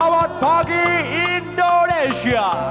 selamat pagi indonesia